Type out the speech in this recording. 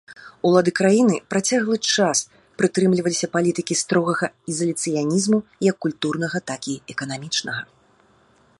Улады краіны працяглы час прытрымліваліся палітыкі строгага ізаляцыянізму, як культурнага так і эканамічнага.